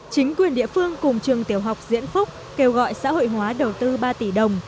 chính quyền địa phương cùng trường tiểu học diễn phúc kêu gọi xã hội hóa đầu tư ba tỷ đồng